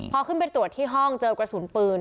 พอขึ้นไปตรวจที่ห้องเจอกระสุนปืน